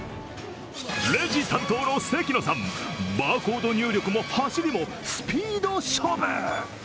レジ担当の関野さん、バーコード入力も走りもスピード勝負。